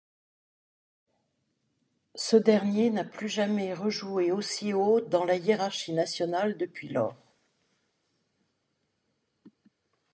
Ce dernier n'a plus jamais rejoué aussi haut dans la hiérarchie nationale depuis lors.